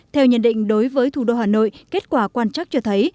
theo nhận định đối với thủ đô hà nội kết quả quan trắc cho thấy